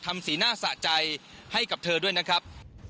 สีหน้าสะใจให้กับเธอด้วยนะครับ